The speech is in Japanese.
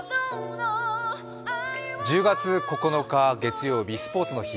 １０月９日月曜日、スポーツの日。